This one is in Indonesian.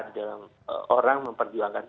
dalam orang memperjuangkan